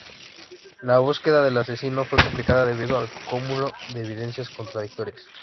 La búsqueda del asesino fue complicada debido al cúmulo de evidencias contradictorias.